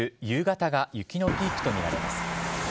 夕方が雪のピークとみられます。